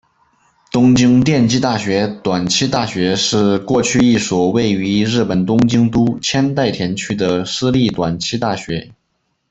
东京电机大学短期大学是过去一所位于日本东京都千代田区的私立短期大学。